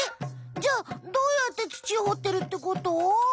じゃあどうやって土をほってるってこと？